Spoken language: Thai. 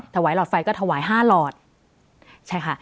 หลอดไฟก็ถวาย๕หลอดใช่ค่ะ